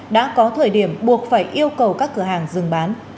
đã có thời điểm buộc phải yêu cầu các cửa hàng dừng bán